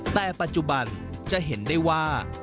แต่ปัจจุบันจะเห็นได้ว่า